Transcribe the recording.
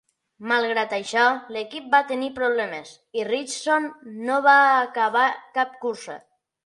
Malgrat això, l'equip va tenir problemes, i Richeson no va acabar cap cursa.